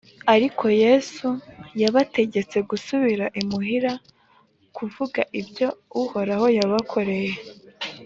ariko yesu yabategetse gusubira imuhira kuvuga ibyo uhoraho yabakoreye